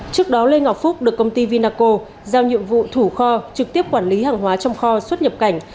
trước đó lê ngọc phúc được công ty vinaco giao nhiệm vụ thủ kho trực tiếp quản lý hàng hóa trong kho xuất nhập cảnh